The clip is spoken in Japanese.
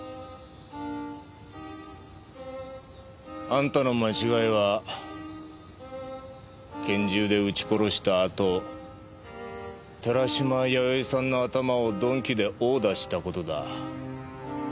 あんたの間違いは拳銃で撃ち殺したあと寺島弥生さんの頭を鈍器で殴打したことだ。